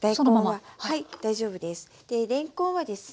はい大丈夫です。